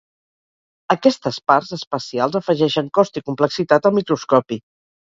Aquestes parts especials afegeixen cost i complexitat al microscopi.